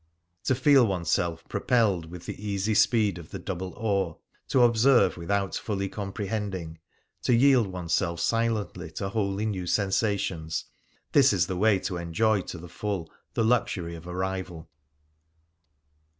To feel oneself propelled with the easy speed of the double oar, to observe without fully comprehending, to yield oneself silently to wholly new sensations — this is the way to enjoy to the full the luxury of arrival.